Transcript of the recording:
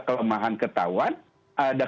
kelemahan ketahuan ada